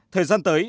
thời gian tới